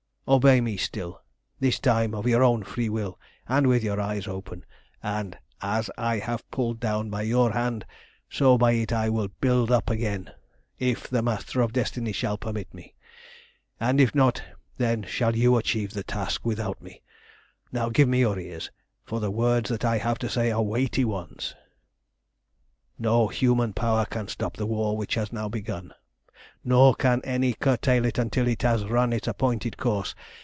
Obey me still, this time of your own free will and with your eyes open, and, as I have pulled down by your hand, so by it will I build up again, if the Master of Destiny shall permit me; and if not, then shall you achieve the task without me. Now give me your ears, for the words that I have to say are weighty ones. "No human power can stop the war that has now begun, nor can any curtail it until it has run its appointed course.